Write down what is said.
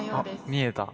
見えた。